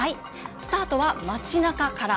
スタートは街なかから。